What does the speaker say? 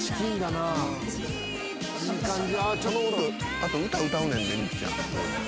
あと歌歌うねんでミクちゃん。